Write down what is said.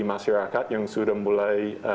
masyarakat yang sudah mulai